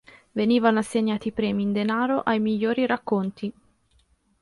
Venivano assegnati premi in denaro ai migliori racconti.